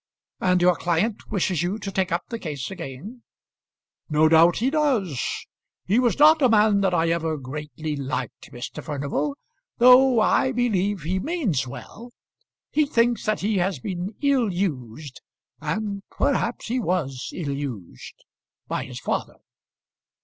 "And your client wishes you to take up the case again?" "No doubt he does. He was not a man that I ever greatly liked, Mr. Furnival, though I believe he means well. He thinks that he has been ill used; and perhaps he was ill used by his father."